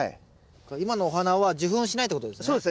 今のお花は受粉しないってことですね。